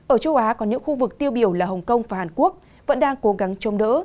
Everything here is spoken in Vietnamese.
ở châu á có những khu vực tiêu biểu là hồng kông và hàn quốc vẫn đang cố gắng chống đỡ